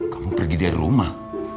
kamu pergi dari rumah